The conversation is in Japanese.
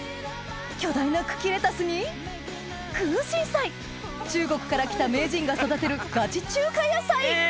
巨大な茎レタスに中国から来た名人が育てるガチ中華野菜え！